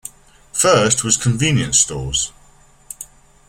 First was convenience stores.